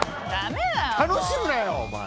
楽しむなよ、お前。